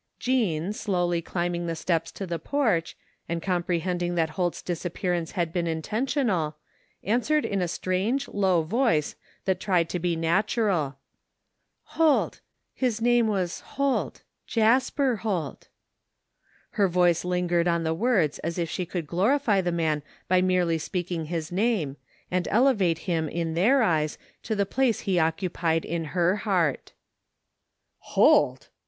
" Jean, slowly climbing the steps to the porch, and comprehending that Holt's disappearance had been in tentional, answered in a strange low voice that tried to be natural: " Holt, his name was Holt, Jasper Holt ^" her voice lingered on the words as if she would glorify the man by merely speaking his name, and elevate him in their eyes to the place he occupied in her heart "Holt!"